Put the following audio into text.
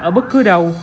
ở bất cứ đâu